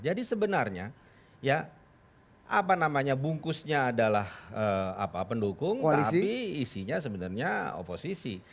jadi sebenarnya bungkusnya adalah pendukung tapi isinya sebenarnya oposisi